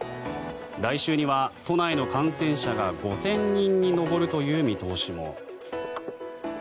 来週には都内の感染者が５０００人に上るという見通しも。